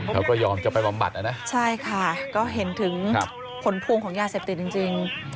แล้วก็ยอมจะไปบำบัดนะใช่ค่ะก็เห็นถึงผลพวงของยาเสพติดจริง